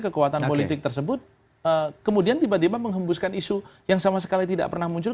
kekuatan politik tersebut kemudian tiba tiba menghembuskan isu yang sama sekali tidak pernah muncul